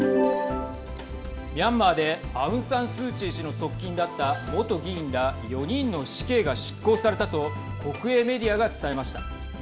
ミャンマーでアウン・サン・スー・チー氏の側近だった元議員ら４人の死刑が執行されたと国営メディアが伝えました。